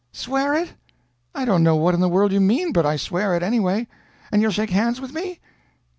"Swear it!" "I don't know what in the world you mean, but I swear it, anyway." "And you'll shake hands with me?"